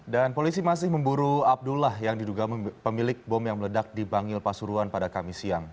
dan polisi masih memburu abdullah yang diduga pemilik bom yang meledak di bangil pasuruan pada kamis siang